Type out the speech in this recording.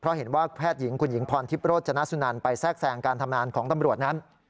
เพราะเห็นว่าแพทย์หญิงคุณหญิงพรทิพย์โรจนสุนันไปแทรกแทรงการทำงานของตำรวจนั้น